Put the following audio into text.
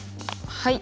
はい。